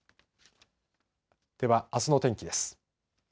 では、あすの天気です。